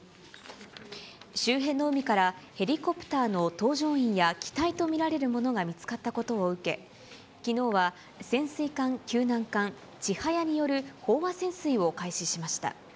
周辺の海から、ヘリコプターの搭乗員や機体と見られるものが見つかったことを受け、きのうは潜水艦救難艦ちはやによる飽和潜水を開始しました。